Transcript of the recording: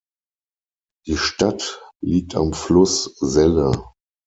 Die Stadt liegt am Fluss Selle.